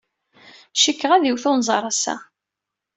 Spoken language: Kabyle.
Cikkeɣ ad iwet unẓar ass-a.